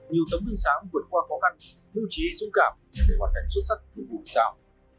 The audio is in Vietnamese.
nhiều tấm đường sáng vượt qua khó khăn lưu trí dũng cảm để hoàn thành xuất sắc những vụ tạo